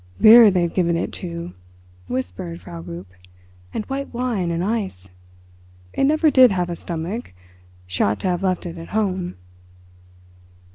"Beer they've given it, too," whispered Frau Rupp, "and white wine and an ice. It never did have a stomach; she ought to have left it at home."